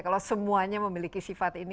kalau semuanya memiliki sifat ini